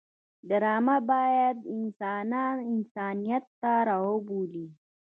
ډرامه باید انسانان انسانیت ته راوبولي